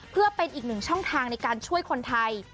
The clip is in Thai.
เพื่อเป็นอีกหนึ่งช่องทางในการช่วยคนไทย